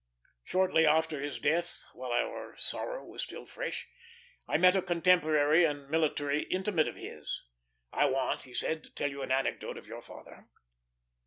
Shortly after his death, while our sorrow was still fresh, I met a contemporary and military intimate of his. "I want," he said, "to tell you an anecdote of your father.